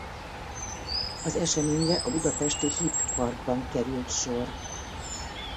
Az eseményre a budapesti Hit Parkban került sor.